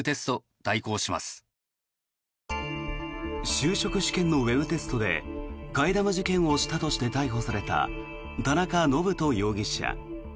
就職試験のウェブテストで替え玉受検をしたとして逮捕された田中信人容疑者。